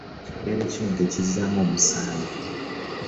Ekigere kyente kizaamu omusaayi.